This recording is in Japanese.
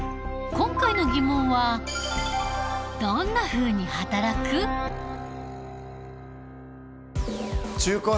今回のテーマは「どんなふうに働くか」。